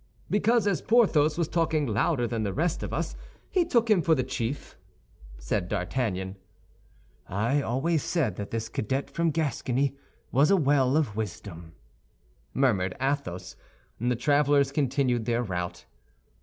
"Because, as Porthos was talking louder than the rest of us, he took him for the chief," said D'Artagnan. "I always said that this cadet from Gascony was a well of wisdom," murmured Athos; and the travelers continued their route.